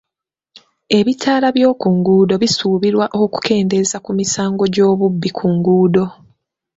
Ebitaala by'oku nguudo bisuubirwa okukendeeza ku misaango gy'obubbi ku nguudo.